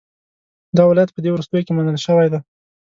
دا ولایت په دې وروستیو کې منل شوی دی.